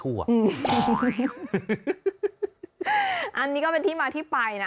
อันนี้ก็เป็นที่มาที่ไปนะ